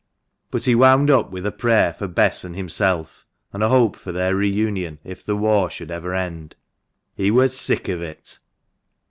But he wound up with a prayer for Bess and himself, and a hope for their re union, if the war should ever end. He " was sick of it."